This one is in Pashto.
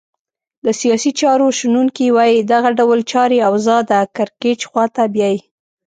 د سیاسي چارو شنونکي وایې دغه ډول چاري اوضاع د کرکېچ خواته بیایې.